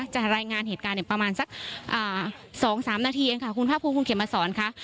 จะรายงานเหตุการณ์ประมาณสัก๒๓นาทีเองค่ะคุณภาคภูมิคุณเขมมาสอนค่ะ